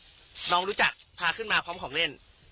น้องรู้จักพาขึ้นมาพร้อมของเล่น